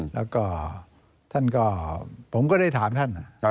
แล้วก็ท่านก็ผมก็ได้ถามท่าน